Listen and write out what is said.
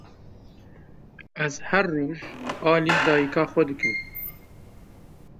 Ez her roj alî dayîka xwe dikim.